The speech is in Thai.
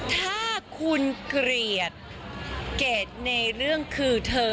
ถ้าคุณเกลียดเกลียดในเรื่องคือเธอ